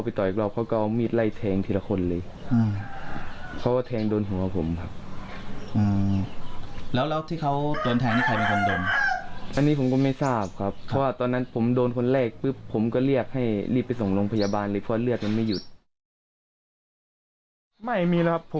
ไม่มีแล้วครับผมเคลียร์ด้วยคำพูดครับ